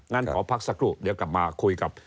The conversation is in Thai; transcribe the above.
งั้นขอพักสักครู่เดี๋ยวกลับมาคุยกับ